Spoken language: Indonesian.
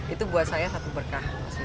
itu buat saya satu berkah